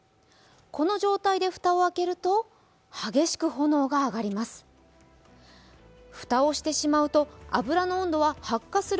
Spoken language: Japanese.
この状態で蓋を開けると激しく炎が上がります。